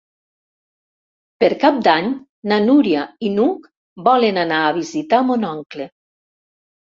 Per Cap d'Any na Núria i n'Hug volen anar a visitar mon oncle.